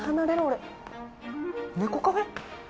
俺猫カフェ？